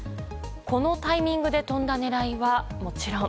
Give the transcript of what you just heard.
このタイミングで飛んだ狙いはもちろん。